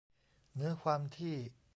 เนื้อความที่